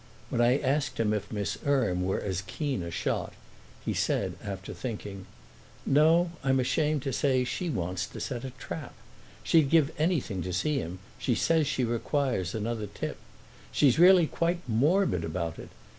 When I asked him if Miss Erme were as keen a shot he said after thinking: "No, I'm ashamed to say she wants to set a trap. She'd give anything to see him; she says she requires another tip. She's really quite morbid about it.